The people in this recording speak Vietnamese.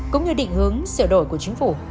cũng như định hướng sửa đổi của chính phủ